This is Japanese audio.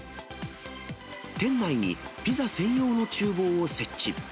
店内にピザ専用のちゅう房を設置。